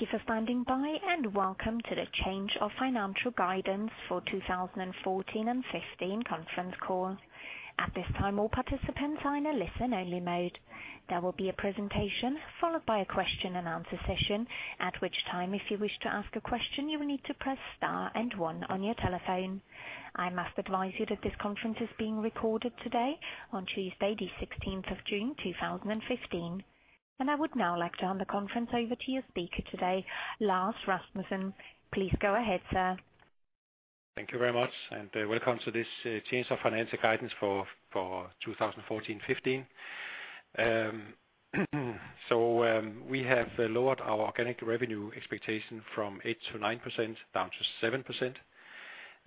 Thank you for standing by, welcome to the Change of Financial Guidance for 2014 and 2015 Conference Call. At this time, all participants are in a listen-only mode. There will be a presentation, followed by a question-and-answer session, at which time, if you wish to ask a question, you will need to press star one on your telephone. I must advise you that this conference is being recorded today, on Tuesday, the 16th of June, 2015. I would now like to hand the conference over to your speaker today, Lars Rasmussen. Please go ahead, sir. Thank you very much, and welcome to this change of financial guidance for 2014-2015. We have lowered our organic revenue expectation from 8%-9% down to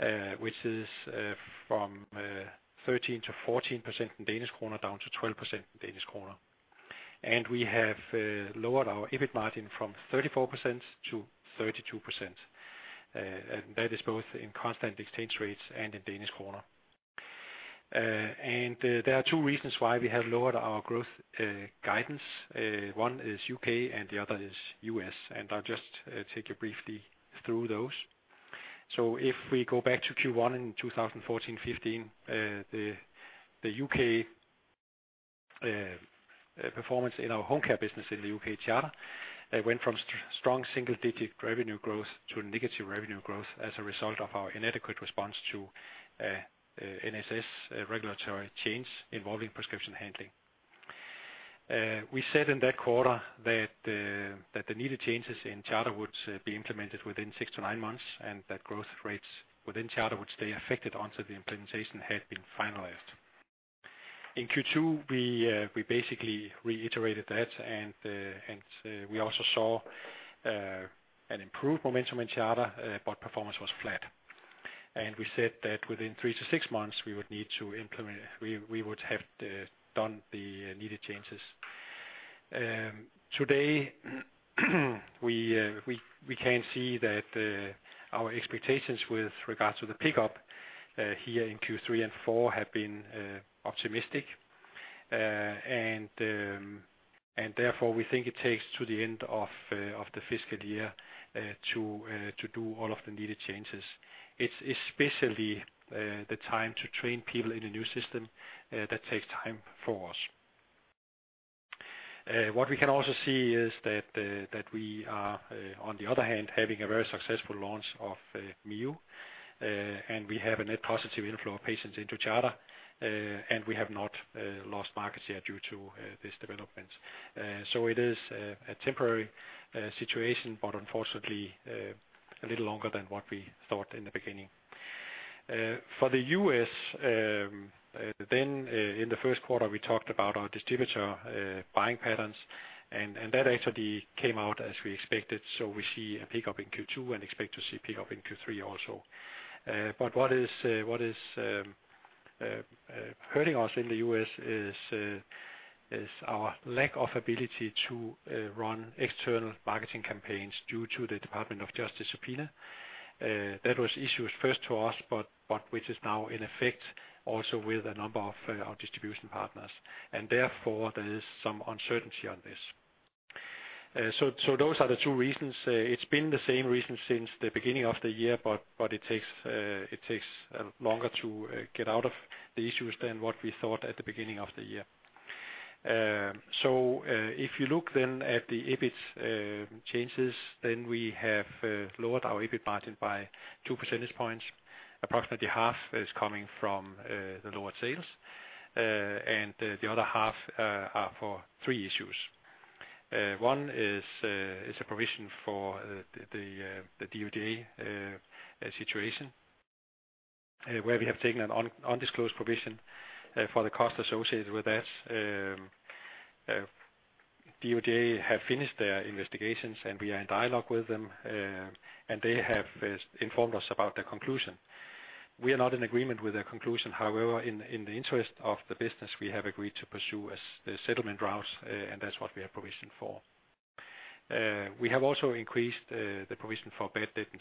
7%, which is from 13%-14% in DKK, down to 12% in DKK. We have lowered our EBIT margin from 34% to 32%, and that is both in constant exchange rates and in DKK. There are two reasons why we have lowered our growth guidance. One is U.K., and the other is U.S., and I'll just take you briefly through those. If we go back to Q1 in 2014-2015, the U.K. performance in our home care business in the U.K., Charter, went from strong single-digit revenue growth to negative revenue growth as a result of our inadequate response to NHS regulatory change involving prescription handling. We said in that quarter that the needed changes in Charter would be implemented within six to nine months, and that growth rates within Charter would stay affected until the implementation had been finalized. In Q2, we basically reiterated that, and we also saw an improved momentum in Charter, but performance was flat. We said that within three to six months, we would need to implement. We would have done the needed changes. Today, we can see that our expectations with regards to the pickup here in Q3 and four have been optimistic. Therefore, we think it takes to the end of the fiscal year to do all of the needed changes. It's especially the time to train people in the new system that takes time for us. What we can also see is that we are on the other hand, having a very successful launch of Mio, and we have a net positive inflow of patients into Charter, and we have not lost markets yet due to this development. It is a temporary situation, but unfortunately, a little longer than what we thought in the beginning. For the U.S., in the first quarter, we talked about our distributor buying patterns, and that actually came out as we expected, so we see a pickup in Q2 and expect to see a pickup in Q3 also. What is hurting us in the U.S. is our lack of ability to run external marketing campaigns due to the Department of Justice subpoena. That was issued first to us, but which is now in effect, also with a number of our distribution partners. Therefore, there is some uncertainty on this. Those are the two reasons. It's been the same reason since the beginning of the year, but it takes longer to get out of the issues than what we thought at the beginning of the year. If you look at the EBIT changes, we have lowered our EBIT margin by 2 percentage points. Approximately half is coming from the lower sales, and the other half are for three issues. One is a provision for the DOJ situation, where we have taken an undisclosed provision for the cost associated with that. DOJ have finished their investigations, and we are in dialogue with them, and they have informed us about their conclusion. We are not in agreement with their conclusion, however, in the interest of the business, we have agreed to pursue a settlement route, and that's what we have provisioned for. We have also increased the provision for bad debt in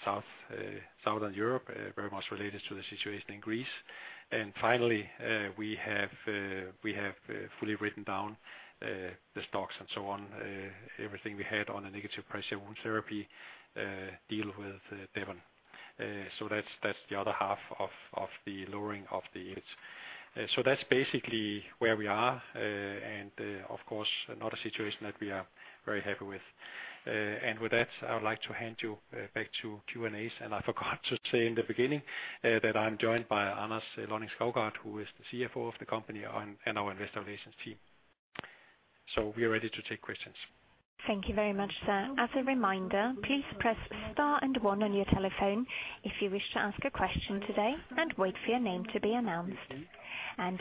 Southern Europe, very much related to the situation in Greece. Finally, we have fully written down the stocks and so on, everything we had on a negative pressure wound therapy deal with Devon. That's the other half of the lowering of the EBIT. That's basically where we are, and of course, not a situation that we are very happy with. With that, I would like to hand you back to Q&As, and I forgot to say in the beginning that I'm joined by Anders Lonning-Skovgaard, who is the CFO of the company, and our investor relations team. We are ready to take questions. Thank you very much, sir. As a reminder, please press star and one on your telephone if you wish to ask a question today, and wait for your name to be announced.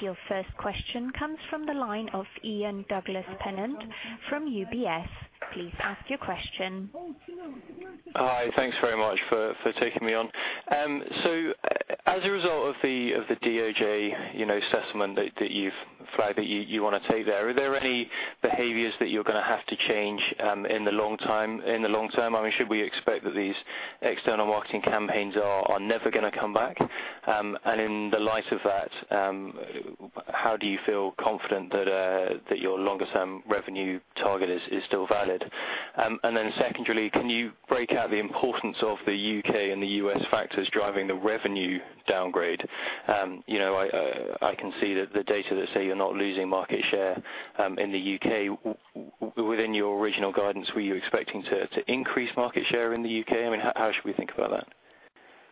Your first question comes from the line of Ian Douglas-Pennant from UBS. Please ask your question. Hi, thanks very much for taking me on. As a result of the DOJ, you know, assessment that you've flagged that you wanna take there, are there any behaviors that you're gonna have to change in the long term? I mean, should we expect that these external marketing campaigns are never gonna come back? In the light of that, how do you feel confident that your longer-term revenue target is still valid? Then secondly, can you break out the importance of the U.K. and the U.S. factors driving the revenue downgrade? You know, I can see that the data that say you're not losing market share in the U.K. Within your original guidance, were you expecting to increase market share in the U.K.? I mean, how should we think about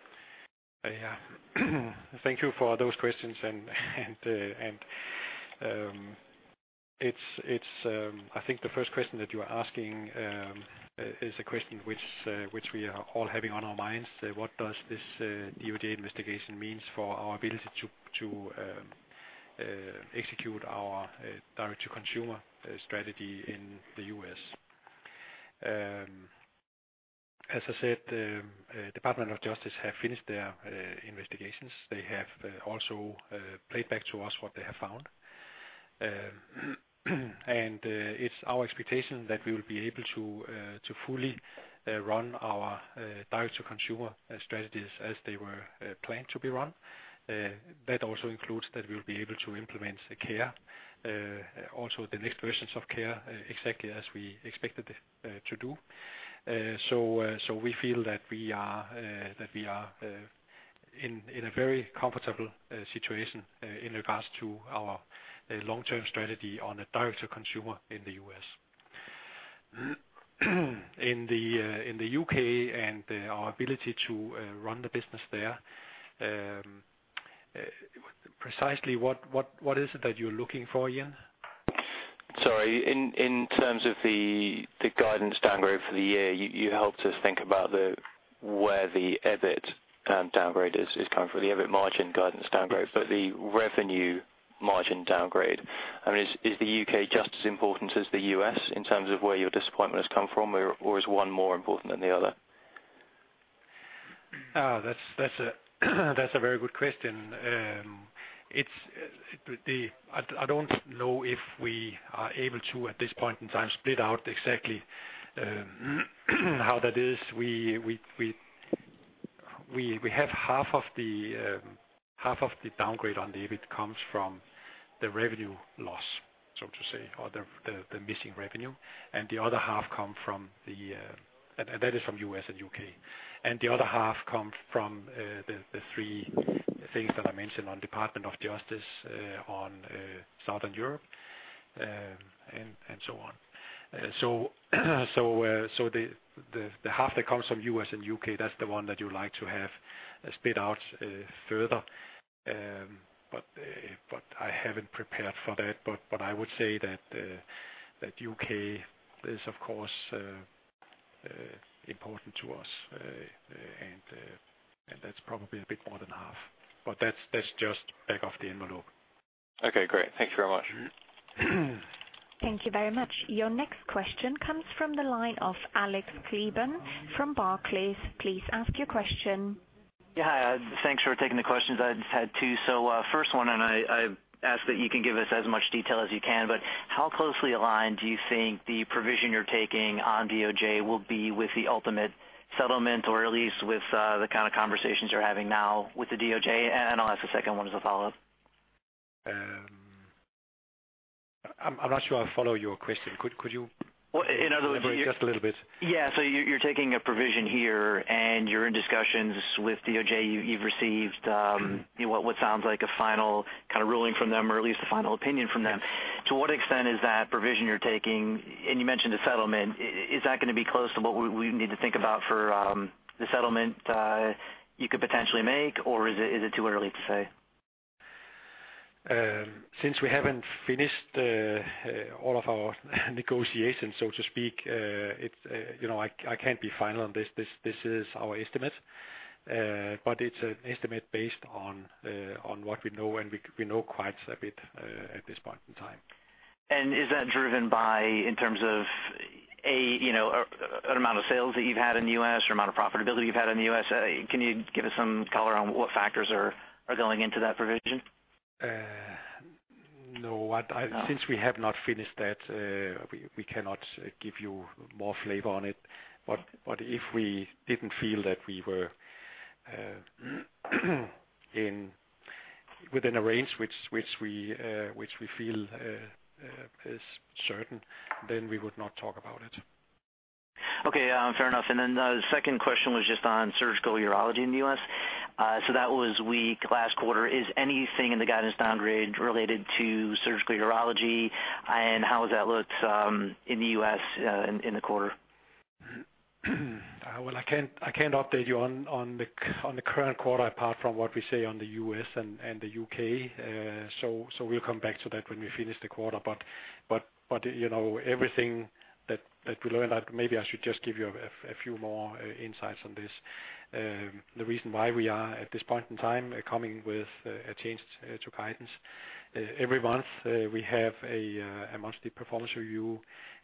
that? Thank you for those questions, and, it's, I think the first question that you are asking, is a question which we are all having on our minds. What does this DOJ investigation means for our ability to execute our direct-to-consumer strategy in the U.S.? As I said, Department of Justice have finished their investigations. They have also played back to us what they have found. It's our expectation that we will be able to fully run our direct-to-consumer strategies as they were planned to be run. That also includes that we'll be able to implement the Care, also the next versions of Care, exactly as we expected it, to do. We feel that we are in a very comfortable situation in regards to our long-term strategy on the direct-to-consumer in the U.S., in the U.K., and our ability to run the business there. Precisely what is it that you're looking for again? Sorry, in terms of the guidance downgrade for the year, you helped us think about the where the EBIT downgrade is coming from, the EBIT margin guidance downgrade. The revenue margin downgrade, I mean, is the UK just as important as the U.S. in terms of where your disappointment has come from, or is one more important than the other? That's a very good question. I don't know if we are able to, at this point in time, split out exactly how that is. We have half of the half of the downgrade on the EBIT comes from the revenue loss, so to say, or the missing revenue, and the other half come from the. That is from U.S. and U.K. The other half come from the three things that I mentioned on Department of Justice, on Southern Europe, and so on. The half that comes from U.S. and U.K., that's the one that you'd like to have split out further. I haven't prepared for that. I would say that U.K. is, of course, important to us, and that's probably a bit more than half. That's just back of the envelope. Okay, great. Thank you very much. Thank you very much. Your next question comes from the line of Alex Kleban from Barclays. Please ask your question. Yeah, hi. Thanks for taking the questions. I just had two. First one, and I ask that you can give us as much detail as you can, but how closely aligned do you think the provision you're taking on DOJ will be with the ultimate settlement or at least with, the kind of conversations you're having now with the DOJ? I'll ask a second one as a follow-up. I'm not sure I follow your question. Could. Well, in other words... Elaborate just a little bit? Yeah. You're taking a provision here, and you're in discussions with DOJ. You've received, you know, what sounds like a final kind of ruling from them, or at least a final opinion from them. Yeah. To what extent is that provision you're taking, and you mentioned a settlement, is that gonna be close to what we need to think about for the settlement you could potentially make, or is it too early to say? Since we haven't finished all of our negotiations, so to speak, it's, you know, I can't be final on this. This is our estimate, but it's an estimate based on what we know, and we know quite a bit at this point in time. Is that driven by, in terms of, A, you know, an amount of sales that you've had in the U.S., or amount of profitability you've had in the U.S.? Can you give us some color on what factors are going into that provision? No. Since we have not finished that, we cannot give you more flavor on it. If we didn't feel that we were in within a range which we feel is certain, then we would not talk about it. Okay, yeah, fair enough. The second question was on surgical urology in the U.S. That was weak last quarter. Is anything in the guidance downgrade related to surgical urology, and how has that looked in the U.S. in the quarter? Well, I can't update you on the current quarter, apart from what we say on the U.S. and the U.K. We'll come back to that when we finish the quarter. You know, everything that we learned, that maybe I should just give you a few more insights on this. The reason why we are, at this point in time, are coming with a change to guidance, every month, we have a monthly performance review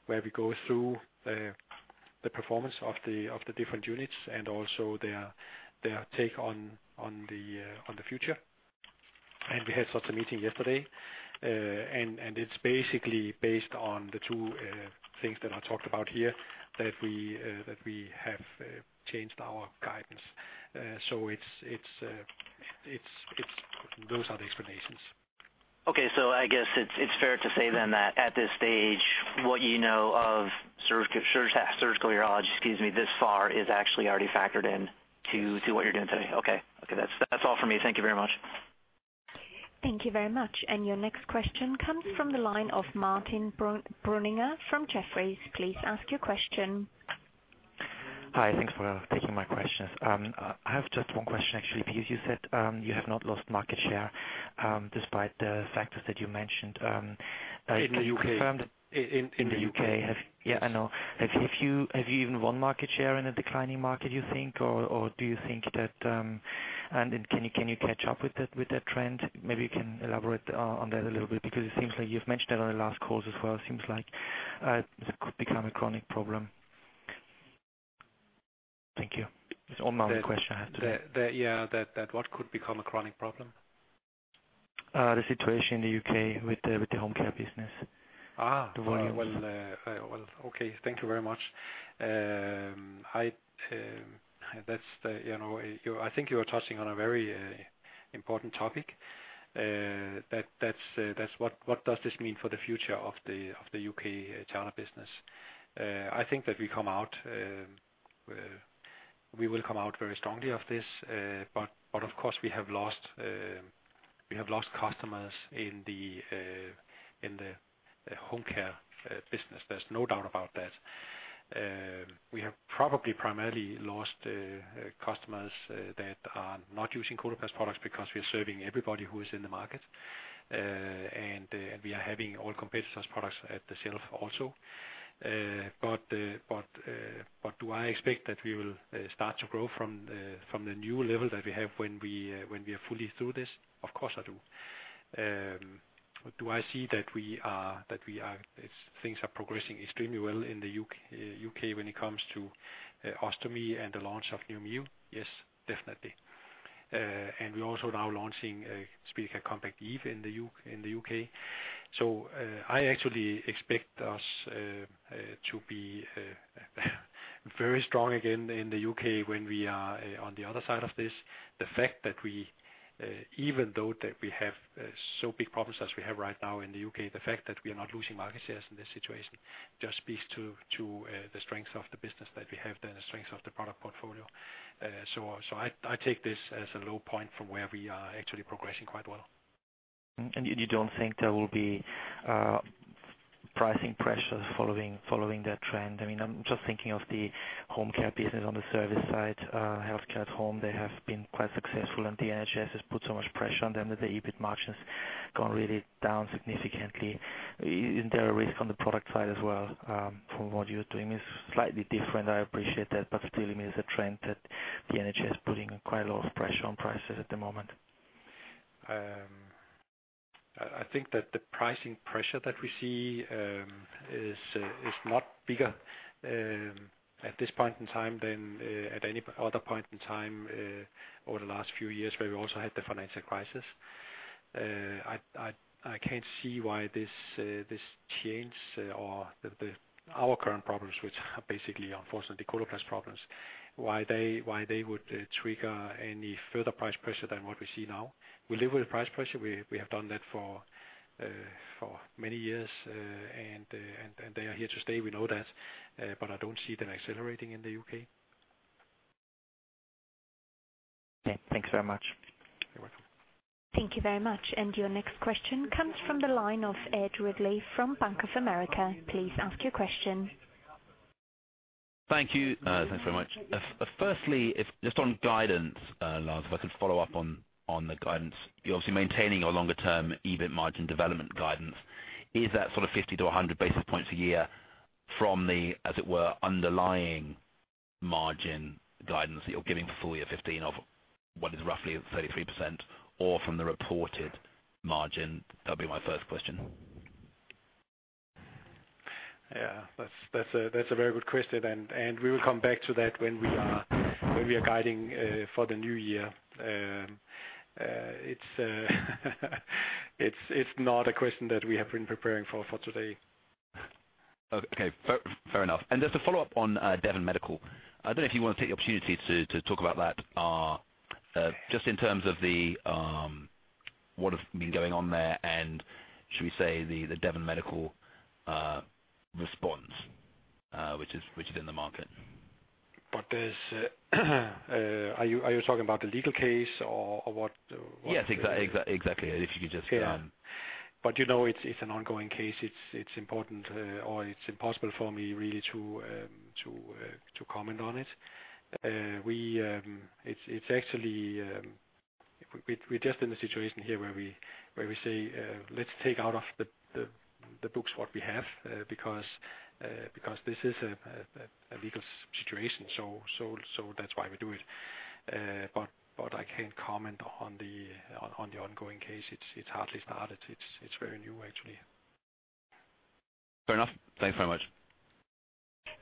where we go through the performance of the different units and also their take on the future. We had such a meeting yesterday. It's basically based on the two things that I talked about here, that we have changed our guidance. It's those are the explanations. Okay. I guess it's fair to say then that at this stage, what you know of surgical urology, excuse me, this far, is actually already factored in to what you're doing today? Okay. Okay, that's all for me. Thank you very much. Thank you very much. Your next question comes from the line of Martin Brunninger from Jefferies. Please ask your question. Hi, thanks for taking my questions. I have just one question actually, because you said, you have not lost market share, despite the factors that you mentioned. In the U.K. Confirmed. In the U.K. Yeah, I know. Have you even won market share in a declining market, you think? Do you think that. Can you catch up with that trend? Maybe you can elaborate on that a little bit, because it seems like you've mentioned that on the last calls as well. It seems like this could become a chronic problem. Thank you. It's only one question I have today. The, yeah, that what could become a chronic problem? The situation in the U.K. with the, with the home care business. Ah! The volumes. Well, okay. Thank you very much. I, that's the, you know, I think you are touching on a very important topic. That's, that's what does this mean for the future of the U.K. Charter business? I think that we come out, we will come out very strongly of this, but of course, we have lost, we have lost customers in the home care business. There's no doubt about that. We have probably primarily lost customers that are not using Coloplast products, because we are serving everybody who is in the market. We are having all competitors products at the shelf also. Do I expect that we will start to grow from the new level that we have when we are fully through this? Of course I do. Do I see that things are progressing extremely well in the U.K. when it comes to ostomy and the launch of Mio? Yes, definitely. We're also now launching SpeediCath Compact Eve in the U.K. I actually expect us to be very strong again in the UK when we are on the other side of this. The fact that we, even though that we have, so big problems as we have right now in the U.K., the fact that we are not losing market shares in this situation, just speaks to the strength of the business that we have there, and the strength of the product portfolio. I take this as a low point from where we are actually progressing quite well. You don't think there will be pricing pressures following that trend? I mean, I'm just thinking of the home care business on the service side, Healthcare at Home, they have been quite successful, and the NHS has put so much pressure on them that the EBIT margin has gone really down significantly. Isn't there a risk on the product side as well, from what you're doing is slightly different, I appreciate that, but still, I mean, it's a trend that the NHS is putting quite a lot of pressure on prices at the moment? I think that the pricing pressure that we see is not bigger at this point in time than at any other point in time over the last few years, where we also had the financial crisis. I can't see why this change or our current problems, which are basically, unfortunately, Coloplast problems, why they would trigger any further price pressure than what we see now. We live with the price pressure. We have done that for many years. They are here to stay, we know that, but I don't see them accelerating in the U.K. Okay, thanks so much. You're welcome. Thank you very much. Your next question comes from the line of Ed Ridley from Bank of America. Please ask your question. Thank you. Thanks very much. Firstly, if just on guidance, Lars, if I could follow up on the guidance. You're obviously maintaining your longer term EBIT margin development guidance. Is that sort of 50-100 basis points a year from the, as it were, underlying margin guidance that you're giving for full year 2015 of what is roughly 33% or from the reported margin? That'd be my first question. Yeah, that's a very good question. We will come back to that when we are guiding for the new year. It's not a question that we have been preparing for today. Okay, fair enough. Just a follow-up on Devon Medical. I don't know if you want to take the opportunity to talk about that, just in terms of the, what have been going on there, and should we say the Devon Medical response, which is in the market? there's... Are you talking about the legal case or what-? Yes, exactly. If you could just. Yeah. You know, it's an ongoing case. It's important, or it's impossible for me really to comment on it. It's actually, we're just in a situation here where we say, "Let's take out of the books what we have, because this is a legal situation." That's why we do it. I can't comment on the ongoing case. It's hardly started. It's very new, actually. Fair enough. Thanks very much.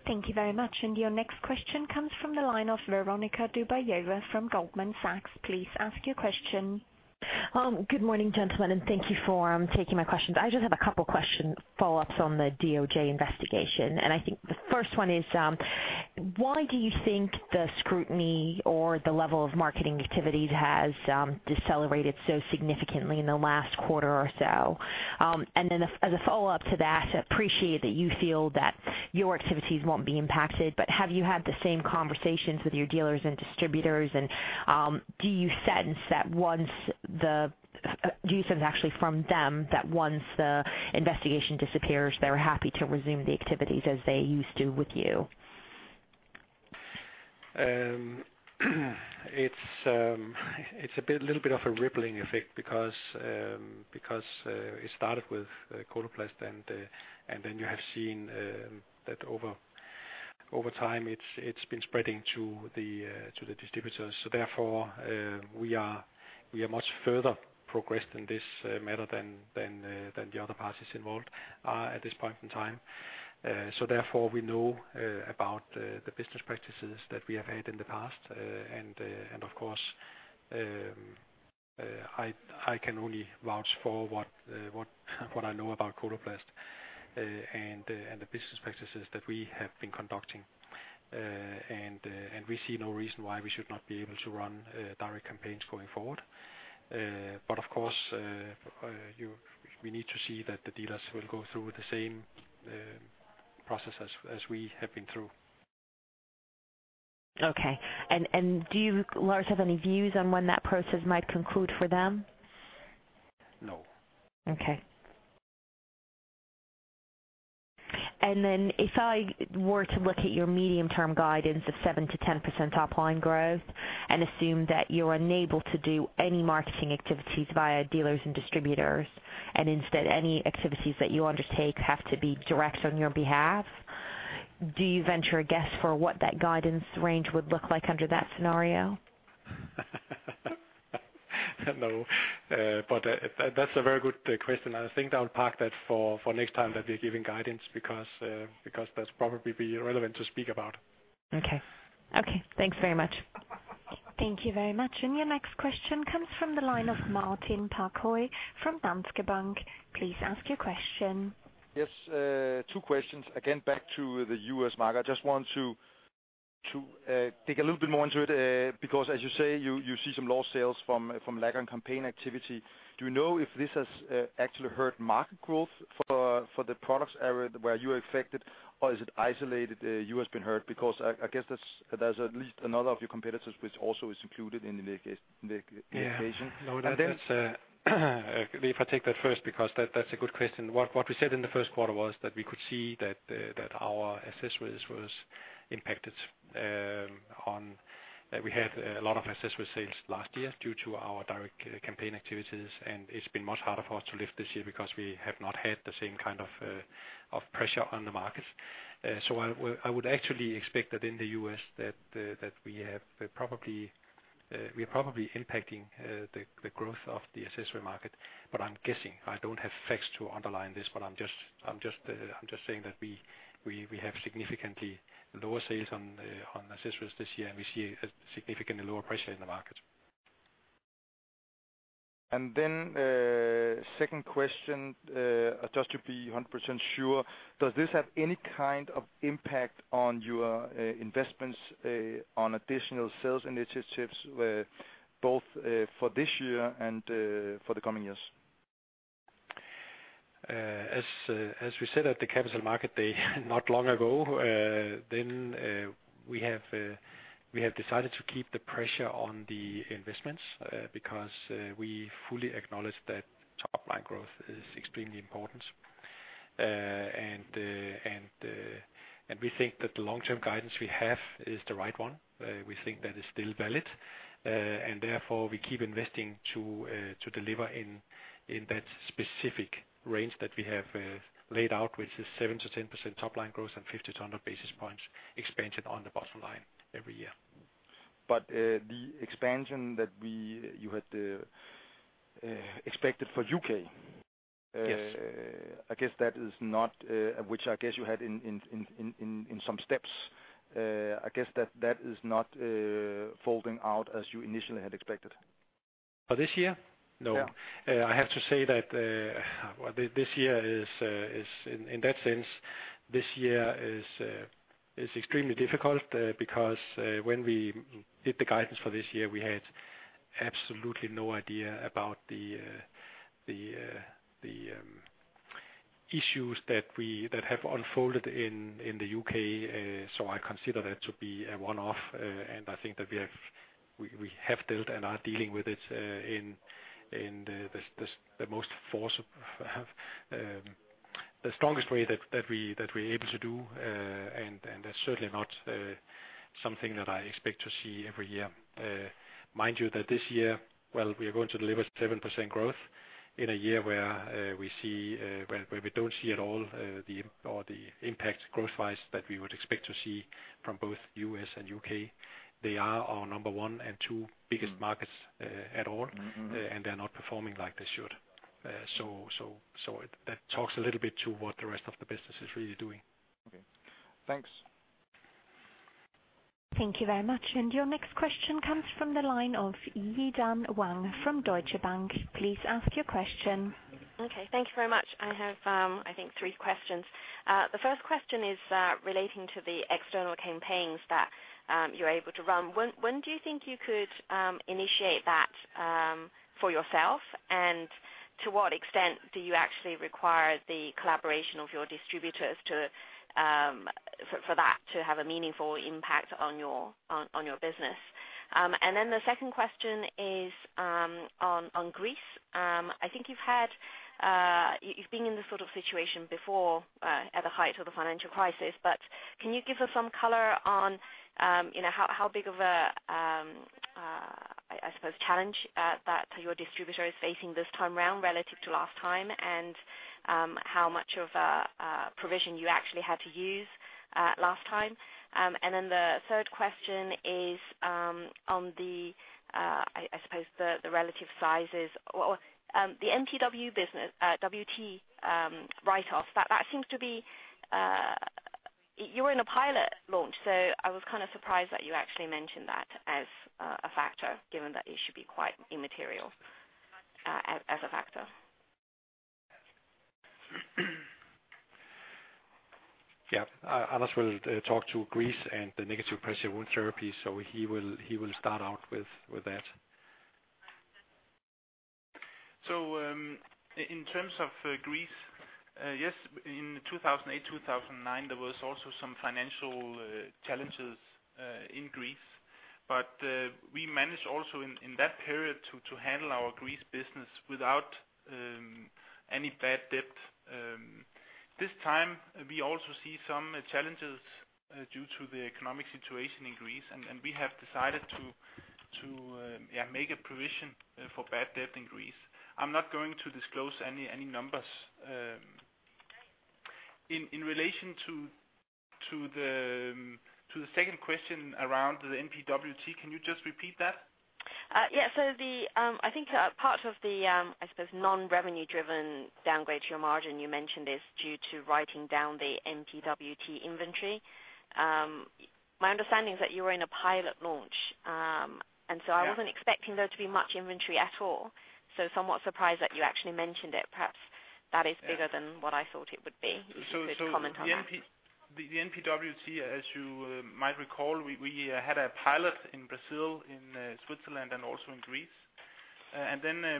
Thank you very much. Your next question comes from the line of Veronika Dubajova from Goldman Sachs. Please ask your question. Good morning, gentlemen, and thank you for taking my questions. I just have a couple questions, follow-ups on the DOJ investigation, and I think the first one is: Why do you think the scrutiny or the level of marketing activities has decelerated so significantly in the last quarter or so? As a follow-up to that, I appreciate that you feel that your activities won't be impacted, but have you had the same conversations with your dealers and distributors? Do you sense that once the, do you sense actually from them, that once the investigation disappears, they're happy to resume the activities as they used to with you? It's a bit, little bit of a rippling effect because it started with Coloplast, then you have seen that over time, it's been spreading to the distributors. Therefore, we are much further progressed in this matter than the other parties involved at this point in time. Therefore, we know about the business practices that we have had in the past. Of course, I can only vouch for what I know about Coloplast and the business practices that we have been conducting. We see no reason why we should not be able to run direct campaigns going forward. Of course, we need to see that the dealers will go through the same processes as we have been through. Okay. Do you, Lars, have any views on when that process might conclude for them? No. Okay. If I were to look at your medium-term guidance of 7%-10% top line growth, and assume that you're unable to do any marketing activities via dealers and distributors, and instead, any activities that you undertake have to be direct on your behalf, do you venture a guess for what that guidance range would look like under that scenario? No. That's a very good question. I think I'll park that for next time that we're giving guidance, because that's probably be irrelevant to speak about. Okay. Okay, thanks very much. Thank you very much. Your next question comes from the line of Martin Parkhøi from Danske Bank. Please ask your question. Yes, two questions. Again, back to the U.S. market. I just want to dig a little bit more into it, because as you say, you see some lost sales from lag on campaign activity. Do you know if this has actually hurt market growth for the products area where you are affected, or is it isolated, you has been hurt? I guess there's at least another of your competitors, which also is included in the case, in the equation. Yeah. And then, uh- I take that first because that's a good question. What we said in the first quarter was that we could see that our accessories was impacted. We had a lot of accessory sales last year due to our direct campaign activities. It's been much harder for us to lift this year because we have not had the same kind of pressure on the market. I would actually expect that in the U.S., that we have probably, we are probably impacting the growth of the accessory market. I'm guessing, I don't have facts to underline this, but I'm just saying that we have significantly lower sales on accessories this year. We see a significantly lower pressure in the market. Second question, just to be 100% sure: Does this have any kind of impact on your investments, on additional sales initiatives, both for this year and for the coming years? As we said at the capital market day, not long ago, then we have decided to keep the pressure on the investments because we fully acknowledge that top line growth is extremely important. And we think that the long-term guidance we have is the right one. We think that is still valid, and therefore, we keep investing to deliver in that specific range that we have laid out, which is 7%-10% top line growth and 50-100 basis points expansion on the bottom line every year. The expansion that we, you had, expected for U.K. Yes. I guess that is not, which I guess you had in some steps. I guess that that is not, folding out as you initially had expected. For this year? No. Yeah. I have to say that, well, this year is in that sense, this year is extremely difficult, because when we did the guidance for this year, we had absolutely no idea about the issues that have unfolded in the U.K. I consider that to be a one-off, and I think that we have dealt and are dealing with it, in the most force, the strongest way that we're able to do, and that's certainly not something that I expect to see every year. Mind you, that this year, well, we are going to deliver 7% growth in a year where we see where we don't see at all the impact growth-wise, that we would expect to see from both U.S. and U.K. They are our number one and two biggest markets, at all, and they're not performing like they should. It, that talks a little bit to what the rest of the business is really doing. Okay, thanks. Thank you very much. Your next question comes from the line of Yi-Dan Wang from Deutsche Bank. Please ask your question. Okay. Thank you very much. I have, I think three questions. The first question is relating to the external campaigns that you're able to run. When do you think you could initiate that for yourself? To what extent do you actually require the collaboration of your distributors to for that to have a meaningful impact on your business? Then the second question is on Greece. I think you've been in this sort of situation before at the height of the financial crisis. Can you give us some color on, you know, how big of a, I suppose, challenge that your distributor is facing this time around relative to last time? How much of a provision you actually had to use last time? The third question is on the I suppose, the relative sizes or the NPWT business, NPWT, write-off. That seems to be. You were in a pilot launch, so I was kind of surprised that you actually mentioned that as a factor, given that it should be quite immaterial as a factor. Anders will talk to Greece and the negative pressure wound therapy, he will start out with that. In terms of Greece, yes, in 2008, 2009, there was also some financial challenges in Greece. We managed also in that period to handle our Greece business without any bad debt. This time, we also see some challenges due to the economic situation in Greece, and we have decided to make a provision for bad debt in Greece. I'm not going to disclose any numbers. In relation to the second question around the NPWT, can you just repeat that? Yeah. The, I think, part of the, I suppose, non-revenue driven downgrade to your margin, you mentioned, is due to writing down the NPWT inventory. My understanding is that you were in a pilot launch. Yeah... I wasn't expecting there to be much inventory at all. Somewhat surprised that you actually mentioned it. Perhaps that is bigger- Yeah than what I thought it would be. If you could comment on that. The NPWT, as you might recall, we had a pilot in Brazil, in Switzerland, and also in Greece.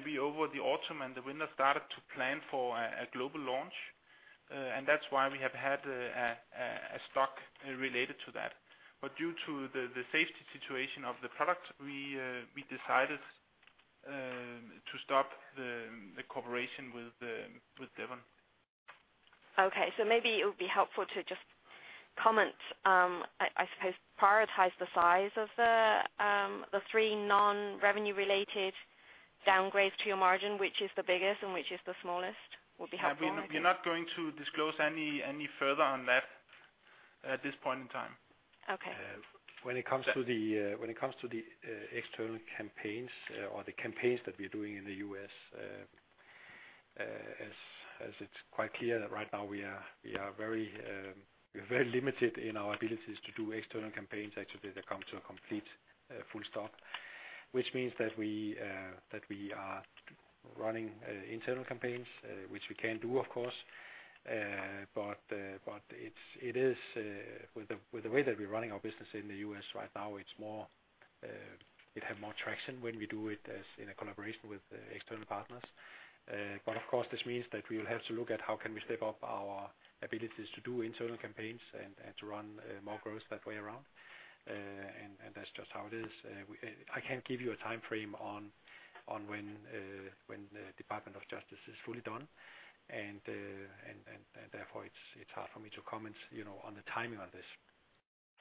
We, over the autumn and the winter, started to plan for a global launch, and that's why we have had a stock related to that. Due to the safety situation of the product, we decided to stop the cooperation with Devon. Maybe it would be helpful to just comment, I suppose prioritize the size of the three non-revenue related downgrades to your margin, which is the biggest and which is the smallest, would be helpful. Yeah. We're not going to disclose any further on that at this point in time. Okay. When it comes to the external campaigns or the campaigns that we're doing in the U.S., as it's quite clear that right now we are very limited in our abilities to do external campaigns. Actually, they come to a complete full stop. That we are running internal campaigns, which we can do, of course. It is with the way that we're running our business in the U.S. right now, it's more, it have more traction when we do it as in a collaboration with external partners. Of course, this means that we will have to look at how can we step up our abilities to do internal campaigns and to run more growth that way around. That's just how it is. I can't give you a timeframe on when when the Department of Justice is fully done, therefore, it's hard for me to comment, you know, on the timing of this.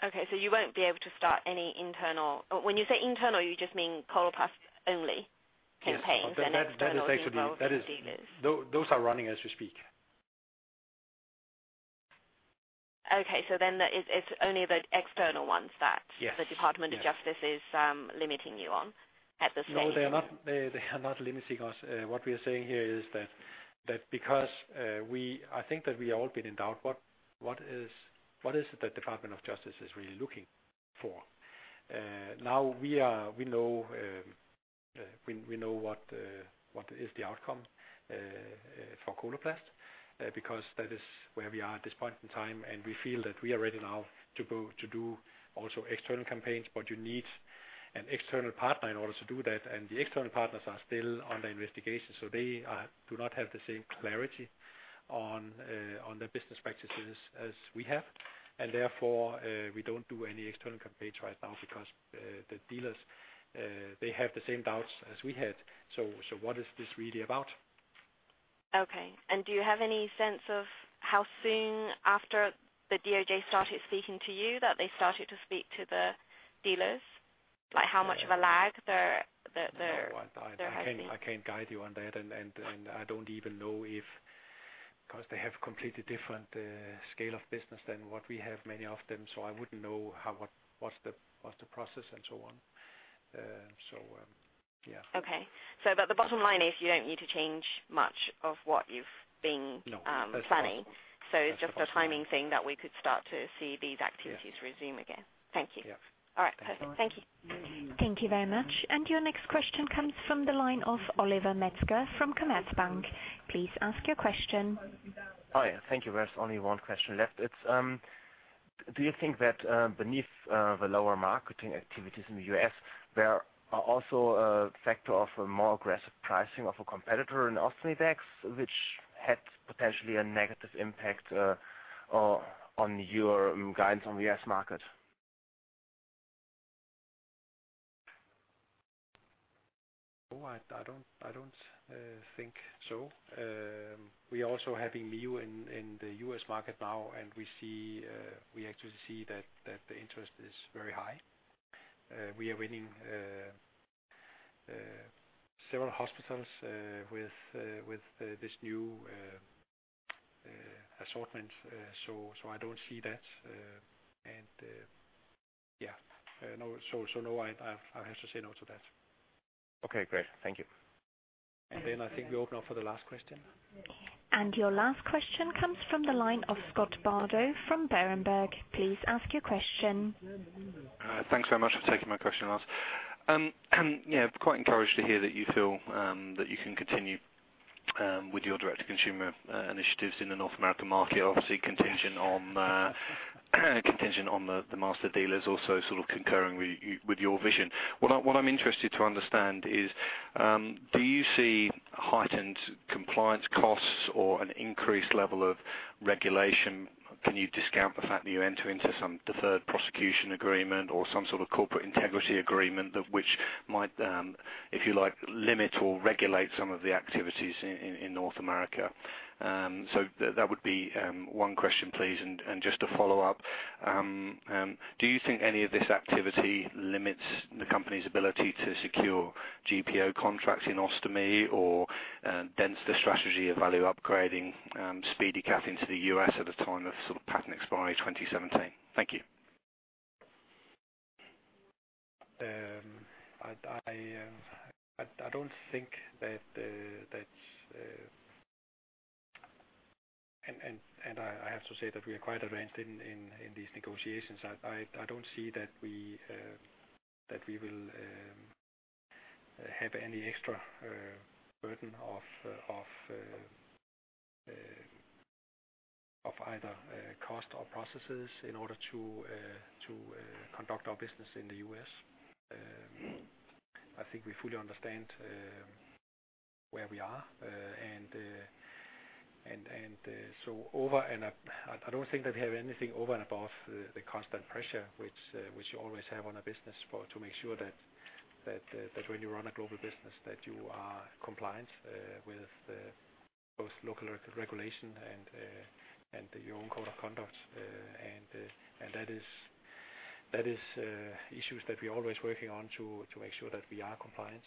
Okay. You won't be able to start any internal... When you say internal, you just mean Coloplast only campaigns- Yes Internal involved with dealers? That is actually, that is, those are running as we speak. Okay. The, it's only the external ones that- Yes The Department of Justice. Yes is, limiting you on at this stage? No, they are not. They, they are not limiting us. What we are saying here is that because, I think that we all been in doubt, what is, what is it the Department of Justice is really looking for? Now we are, we know, we know what is the outcome for Coloplast, because that is where we are at this point in time, and we feel that we are ready now to go to do also external campaigns. You need an external partner in order to do that, and the external partners are still under investigation, they do not have the same clarity on their business practices as we have. Therefore, we don't do any external campaigns right now because the dealers, they have the same doubts as we had. What is this really about?... Okay. Do you have any sense of how soon after the DOJ started speaking to you, that they started to speak to the dealers? Like, how much of a lag there, that there has been? I can't guide you on that, and I don't even know if, 'cause they have completely different scale of business than what we have, many of them, so I wouldn't know how, what's the process and so on. Yeah. The bottom line is you don't need to change much of what. No. planning. That's right. It's just a timing thing that we could start to see these activities resume again. Yeah. Thank you. Yeah. All right, perfect. Thank you. Thank you very much. Your next question comes from the line of Oliver Metzger from Commerzbank. Please ask your question. Yeah, thank you. There's only one question left. It's, do you think that beneath the lower marketing activities in the U.S., there are also a factor of a more aggressive pricing of a competitor in Ostomy bags, which had potentially a negative impact on your guidance on the U.S. market? Oh, I don't think so. We are also having Mio in the U.S. market now. We actually see that the interest is very high. We are winning several hospitals with this new assortment. No, I have to say no to that. Okay, great. Thank you. I think we open up for the last question. Your last question comes from the line of Scott Bardo from Berenberg. Please ask your question. Thanks very much for taking my question, Lars. Quite encouraged to hear that you feel that you can continue with your direct-to-consumer initiatives in the North American market, obviously contingent on the master dealers also sort of concurring with your vision. What I'm interested to understand is, do you see heightened compliance costs or an increased level of regulation? Can you discount the fact that you enter into some deferred prosecution agreement or some sort of Corporate Integrity Agreement, that which might, if you like, limit or regulate some of the activities in North America? That would be one question, please. Just to follow up, do you think any of this activity limits the company's ability to secure GPO contracts in ostomy or dense the strategy of value upgrading, SpeediCath into the U.S. at a time of sort of patent expiry 2017? Thank you. I have to say that we are quite advanced in these negotiations. I don't see that we will have any extra burden of either cost or processes in order to conduct our business in the US. I think we fully understand where we are and so over and I don't think that we have anything over and above the constant pressure which you always have on a business for to make sure that when you run a global business that you are compliant with both local regulation and your own code of conduct. That is issues that we're always working on to make sure that we are compliant.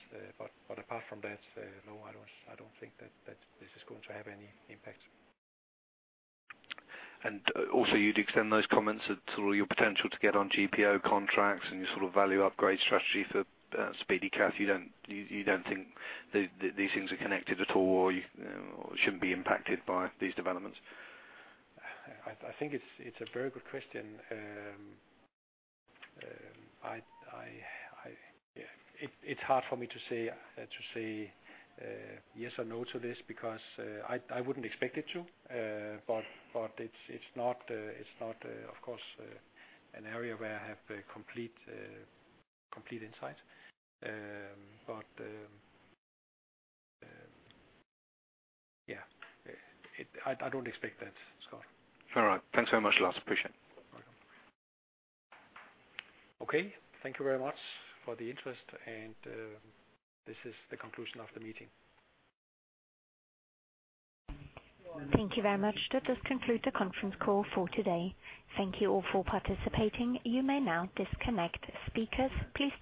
Apart from that, no, I don't think that this is going to have any impact. You'd extend those comments to your potential to get on GPO contracts and your sort of value upgrade strategy for, SpeediCath. You don't think that these things are connected at all, or you shouldn't be impacted by these developments? I think it's a very good question. It's hard for me to say, yes or no to this, because I wouldn't expect it to, but it's not, of course, an area where I have complete insight. Yeah, I don't expect that, Scott. All right. Thanks very much, Lars. Appreciate it. Okay. Thank you very much for the interest, and this is the conclusion of the meeting. Thank you very much. That does conclude the conference call for today. Thank you all for participating. You may now disconnect. Speakers, please-